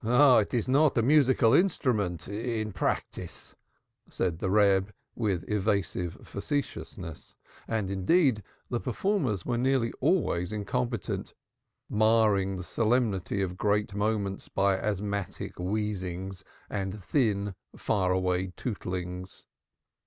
"It is not a musical instrument in practice," said the Reb, with evasive facetiousness. And, indeed, the performers were nearly always incompetent, marring the solemnity of great moments by asthmatic wheezings and thin far away tootlings.